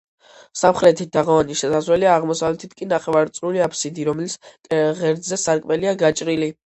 სამხრეთით თაღოვანი შესასვლელია, აღმოსავლეთით კი ნახევარწრიული აფსიდი, რომლის ღერძზე სარკმელია გაჭრილი.